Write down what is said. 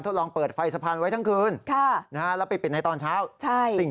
ทดลองเปิดไฟสะพานไว้ทั้งคืนแล้วไปปิดไหนตอนเช้าสิ่ง